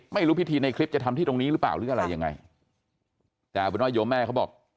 ไม่รู้พิธีในคลิปจะทำที่ตรงนี้หรือเปล่าหรืออะไรยังไงแต่เอาเป็นว่าโยแม่เขาบอก